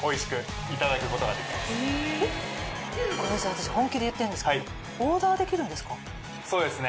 私本気で言ってるんですけどオーダーできるんですか？